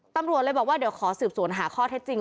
ตำรวจเลยบอกว่าเดี๋ยวขอสืบสวนหาข้อเท็จจริง